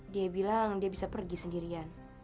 dia bilang dia bisa pergi sendirian